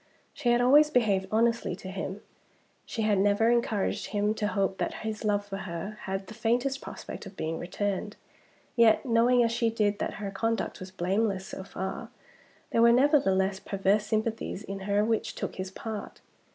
She had always behaved honestly to him; she had never encouraged him to hope that his love for her had the faintest prospect of being returned. Yet, knowing, as she did, that her conduct was blameless so far, there were nevertheless perverse sympathies in her which took his part.